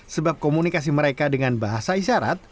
sebab komunikasi mereka dengan bahasa isyarat